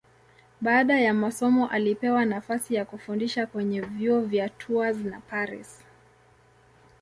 Baada ya masomo alipewa nafasi ya kufundisha kwenye vyuo vya Tours na Paris.